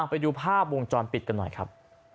ไปดูภาพวงจรปิดกันหน่อยครับ